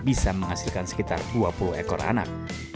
bisa menghasilkan sekitar dua puluh ekor anak